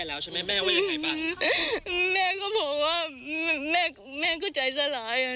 ไม่ไม่ไม่ไม่ไม่ไม่ไม่ไม่ไม่ไม่ไม่ไม่ไม่ไม่ไม่